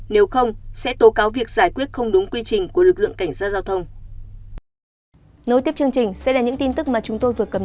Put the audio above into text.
nếu không sẽ tố cáo việc giải quyết không đúng quy trình của lực lượng cảnh sát giao thông